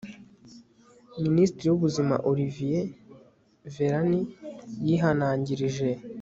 minisitiri w'ubuzima oliver véran yihanangirije